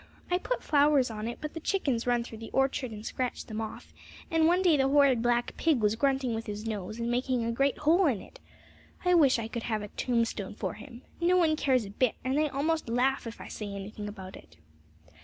I put flowers on it, but the chickens run through the orchard and scratch them off; and one day the horrid black pig was grunting with his nose, and making a great hole in it! I wish he could have a tombstone; no one cares a bit, and they almost laugh if I say anything about it.'